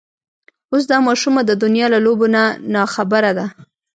اوس دا ماشومه د دنيا له لوبو نه ناخبره ده.